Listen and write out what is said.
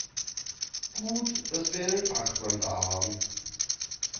Gut, dass wir einen Fachmann da haben.